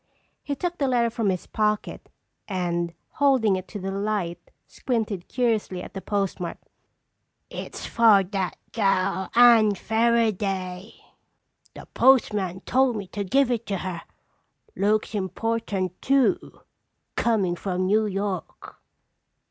He took the letter from his pocket and holding it to the light, squinted curiously at the postmark. "It's for that gal, Anne Fairaday. The postmaster told me to give it to her. Looks important too, comin' from New York."